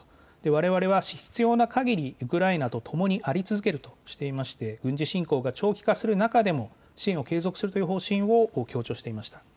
われわれは、必要な限りウクライナととともにあり続けるとしまして軍事侵攻が長期化する中でも支援を継続するという方針を強調していました。